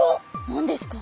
何ですか？